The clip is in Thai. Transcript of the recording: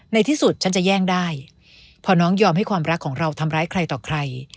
ในที่สุดฉันจะแย่งได้พอน้องยอมให้ความรักของเราทำร้ายใครต่อใคร